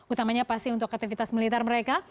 utamanya pasti untuk aktivitas militer mereka